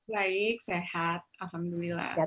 baik sehat alhamdulillah